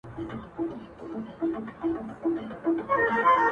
زه خو دا يم ژوندی يم ـ